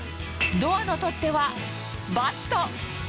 ドアの取っ手はバット。